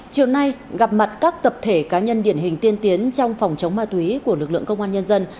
chiều nay gặp mặt các tập thể cá nhân điển hình tiên tiến trong phòng chống ma túy của lực lượng công an nhân dân